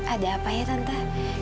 ada apa ya tante